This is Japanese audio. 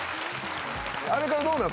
あれからどうなん？